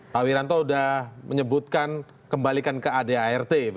pak wiranto sudah menyebutkan kembalikan ke adart